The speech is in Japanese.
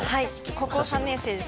高校３年生です